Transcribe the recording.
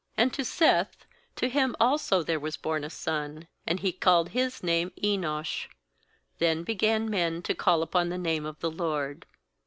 26And to Seth, to him also there was born a son; and he called his name Enosh; then began men to call upon the name of the LORD.